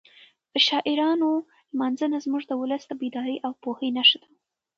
د شاعرانو لمانځنه زموږ د ولس د بیدارۍ او پوهې نښه ده.